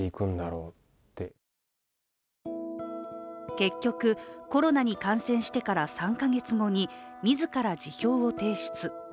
結局、コロナに感染してから３か月後に自ら辞表を提出。